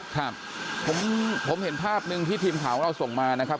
ครับผมผมเห็นภาพหนึ่งที่ทีมข่าวของเราส่งมานะครับ